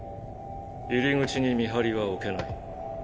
入り口に見張りは置けない。